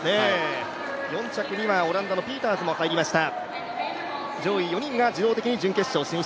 ４着にはオランダのピーターズも入りました。